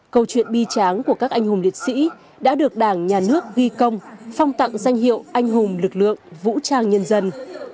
câu chuyện bi tráng của các anh hùng liệt sĩ đã được đảng nhà nước ghi công phong tặng danh hiệu anh hùng lực lượng vũ trang nhân dân